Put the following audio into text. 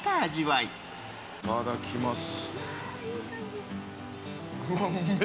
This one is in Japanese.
いただきます。